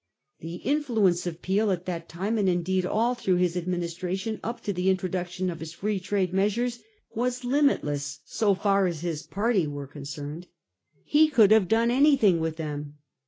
The influence of Peel at that time, and indeed all through his administration up to the introduction of his Eree Trade measures, was limitless, so far as his party were concerned. He could have done anything with them.